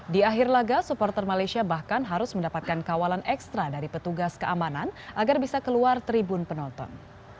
di akhir laga supporter malaysia bahkan harus mendapatkan kawalan ekstra dari petugas keamanan agar bisa keluar tribun penonton